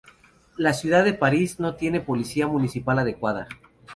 La ciudad de París no tiene la policía municipal adecuada.